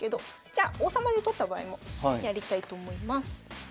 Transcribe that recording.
じゃあ王様で取った場合もやりたいと思います。